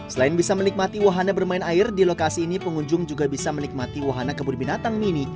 selain bisa menikmati wahana bermain air di lokasi ini pengunjung juga bisa menikmati wahana kebun binatang mini